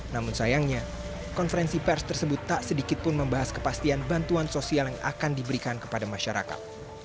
namun sayangnya konferensi pers tersebut tak sedikit pun membahas kepastian bantuan sosial yang akan diberikan kepada masyarakat